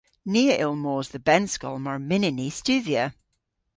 Ni a yll mos dhe bennskol mar mynnyn ni studhya.